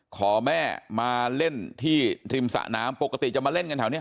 ขอแม่มาเล่นที่ริมสระน้ำปกติจะมาเล่นกันแถวนี้